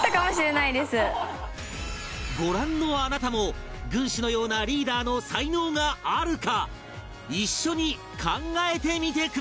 ご覧のあなたも軍師のようなリーダーの才能があるか一緒に考えてみてください